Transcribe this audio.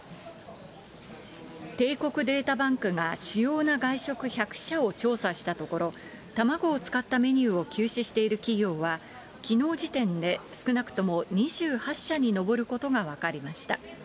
帝国データバンクが、主要な外食１００社を調査したところ、卵を使ったメニューを休止している企業は、きのう時点で少なくとも２８社に上ることが分かりました。